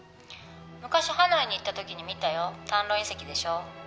昔ハノイに行った時に見たよタンロン遺跡でしょ？